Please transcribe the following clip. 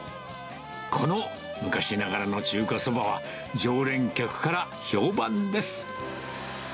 この昔ながらの中華そばは、常連客から評判です。